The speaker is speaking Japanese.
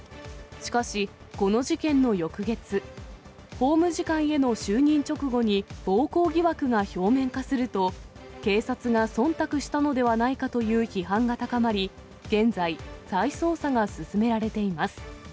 しかし、この事件の翌月、法務次官への就任直後に暴行疑惑が表面化すると、警察がそんたくしたのではないかという批判が高まり、現在、再捜査が進められています。